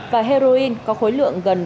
và heroin có khối lượng gần bốn triệu đồng